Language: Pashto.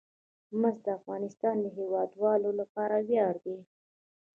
مس د افغانستان د هیوادوالو لپاره ویاړ دی.